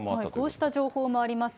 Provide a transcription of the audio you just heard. こうした情報もあります。